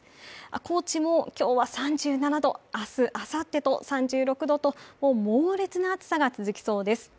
高知も今日は３７度、明日、あさってと３６度と、猛烈な暑さが続きそうです。